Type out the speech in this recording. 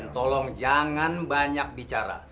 tolong jangan banyak bicara